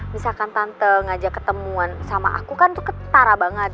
misalkan tante ngajak ketemuan sama aku kan tuh ketara banget